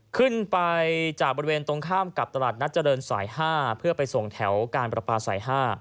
ขึ้นไปจากบริเวณตรงข้ามกับตลาดนัดเจริญสาย๕เพื่อไปส่งแถวการประปาสาย๕